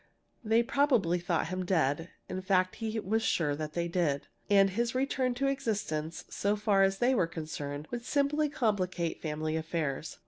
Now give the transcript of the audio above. They probably thought him dead in fact he was sure that they did. And his return to existence, so far as they were concerned, would simply complicate family affairs.